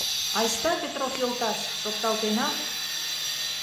Айста, Петров йолташ, шокталтена...